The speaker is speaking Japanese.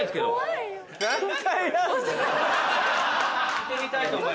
行ってみたいと思います。